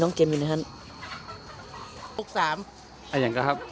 ลองมีป้านอุ่มมาลวยนัก